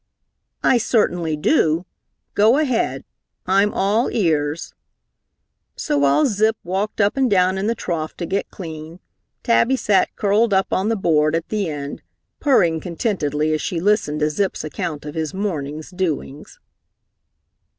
"I certainly do! Go ahead. I'm all ears," so while Zip walked up and down in the trough to get clean, Tabby sat curled up on the board at the end, purring contentedly as she listened to Zip's account of his morning's doings.